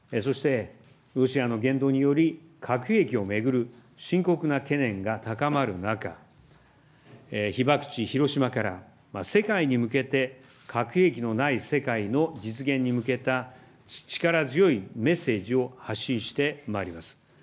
そして、ロシアの言動により、核兵器を巡る深刻な懸念が高まる中、被爆地、広島から世界に向けて、核兵器のない世界の実現に向けた力強いメッセージを発信してまいります。